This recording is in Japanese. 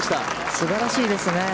すばらしいですね。